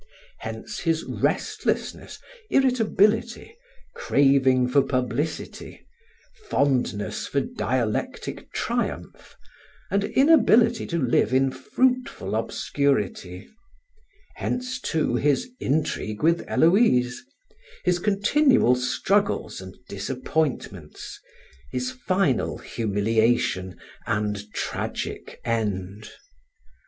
Hence his restlessness, irritability, craving for publicity, fondness for dialectic triumph, and inability to live in fruitful obscurity; hence, too, his intrigue with Héloïse, his continual struggles and disappointments, his final humiliation and tragic end.